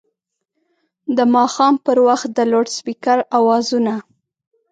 د ماښام پر وخت د لوډسپیکر اوازونه